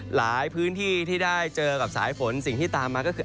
หลายพื้นที่ที่ได้เจอกับสายฝนสิ่งที่ตามมาก็คือ